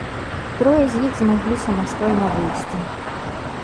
Трое з іх змаглі самастойна выйсці.